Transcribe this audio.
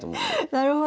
なるほど。